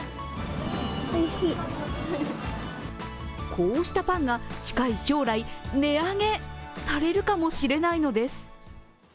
こうしたパンが近い将来値上げされるかもしれないのです。